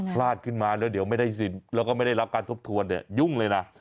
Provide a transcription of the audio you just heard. พลาดขึ้นมาแล้วเดี๋ยวไม่ได้สิทธิ์แล้วก็ไม่ได้รับการทบทวนเนี่ยยุ่งเลยนะ